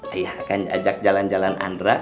ayah akan ajak jalan jalan andra